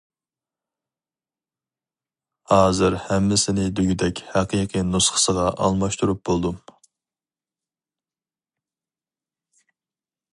ھازىر ھەممىسىنى دېگۈدەك ھەقىقىي نۇسخىسىغا ئالماشتۇرۇپ بولدۇم.